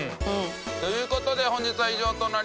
という事で本日は以上となります。